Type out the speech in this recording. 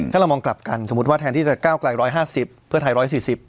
ถ้าเรามองกลับกันสมมุติว่าแทนที่จะก้าวไกล๑๕๐เพื่อไทย๑๔๐